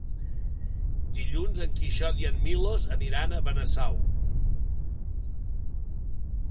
Dilluns en Quixot i en Milos aniran a Benasau.